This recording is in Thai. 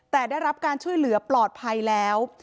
แต่ได้รับการช่วยเหลือปลอดภัยแล้ว